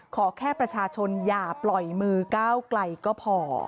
ขอแค่ประชาชนอย่าปล่อยมือก้าวไกลก็พอ